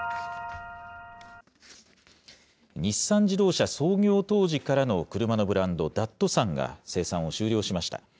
日産自動車創業当時からの車のブランド、ダットサンが生産を終了しました。